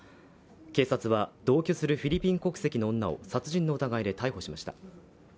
警察は同居するフィリピン国籍の女を殺人の疑いで逮捕しました。